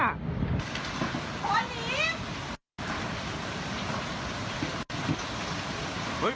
พอหนี